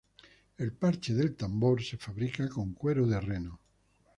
El parche del tambor se fabrica con cuero de reno.